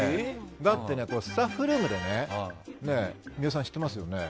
だって、スタッフルームでね水卜さん、知ってますよね。